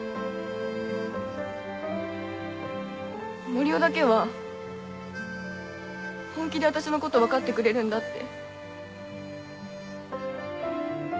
森生だけは本気で私のこと分かってくれるんだって。